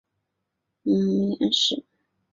母阎氏。